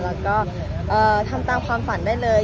แล้วก็ทำตามความฝันได้เลย